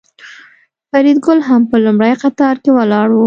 فریدګل هم په لومړي قطار کې ولاړ و